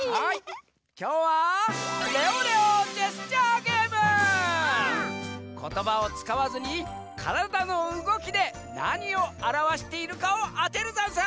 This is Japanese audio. きょうはことばをつかわずにからだのうごきでなにをあらわしているかをあてるざんす！